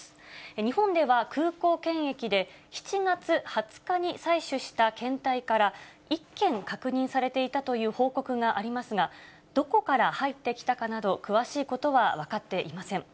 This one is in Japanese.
日本では空港検疫で７月２０日に採取した検体から、１件確認されていたという報告がありますが、どこから入ってきたかなど、詳しいことは分かっていません。